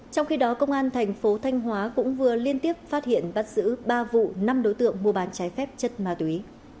trong khi đó công an thành phố thanh hóa cũng vừa liên tiếp phát hiện bắt giữ ba vụ năm đối tượng mua bán trái phép chất ma túy